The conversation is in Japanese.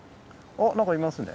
あっ何かいますね。